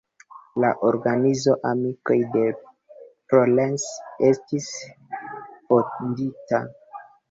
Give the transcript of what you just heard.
La organizo "amikoj de Flores" estis fondita.